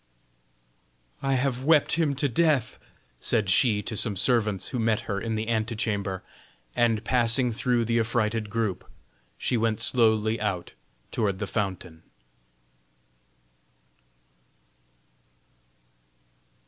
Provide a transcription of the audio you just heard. "I have wept him to death," said she to some servants who met her in the ante chamber; and, passing through the affrighted group, she went slowly out toward the fountain.